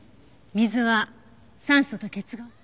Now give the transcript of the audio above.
水は酸素と結合。